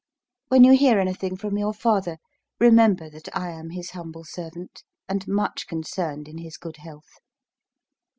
When you hear anything from your father, remember that I am his humble servant, and much concerned in his good health.